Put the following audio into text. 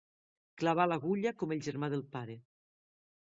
Clavà l'agulla com el germà del pare.